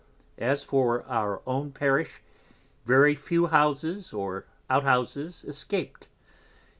As for our own Parish, very few Houses or Outhouses escaped.